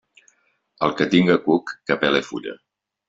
El qui tinga cuc, que pele fulla.